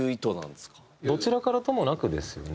どちらからともなくですよね。